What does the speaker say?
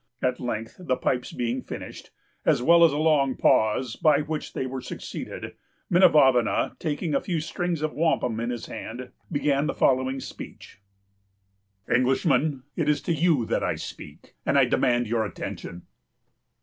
At length, the pipes being finished, as well as a long pause, by which they were succeeded, Minavavana, taking a few strings of wampum in his hand, began the following speech:—— "'Englishman, it is to you that I speak, and I demand your attention.